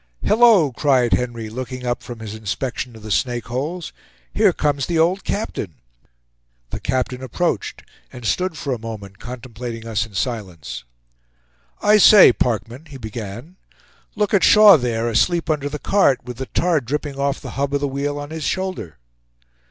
"Hallo!" cried Henry, looking up from his inspection of the snake holes, "here comes the old captain!" The captain approached, and stood for a moment contemplating us in silence. "I say, Parkman," he began, "look at Shaw there, asleep under the cart, with the tar dripping off the hub of the wheel on his shoulder!"